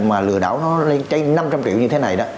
mà lừa đảo nó lên năm trăm linh triệu như thế này